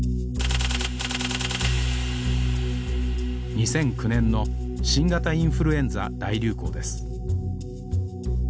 ２００９年の新型インフルエンザ大流行です